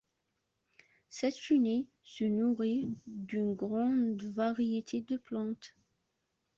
Cette chenille se nourrit d'une grande variété de plantes.